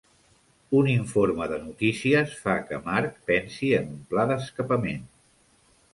Un informe de notícies fa que Mark pensi en un pla d'escapament.